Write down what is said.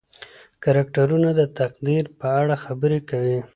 کرکټرونه د تقدیر په اړه خبرې کوي.